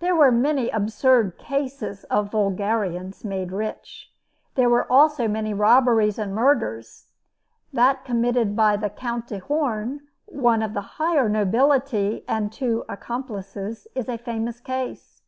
There were many absurd cases of vulgarians made rich. There were also many robberies and murders. That committed by the Count de Horn, one of the higher nobility and two accomplices, is a famous case.